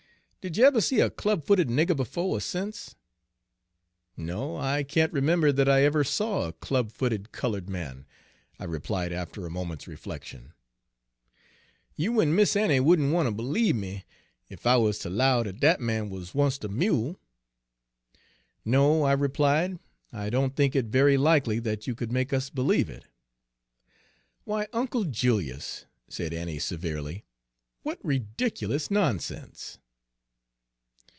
"Did you eber see a club footed nigger befo' er sence?" "No, I can't remember that I ever saw a club footed colored man," I replied, after a moment's reflection. "You en Mis' Annie wouldn' wanter b'lieve me, ef I wuz ter 'low dat dat man was oncet a mule?" "No," I replied, "I don't think it very likely that you could make us believe it." "Why, Uncle Julius!" said Annie severely, "what ridiculous nonsense!"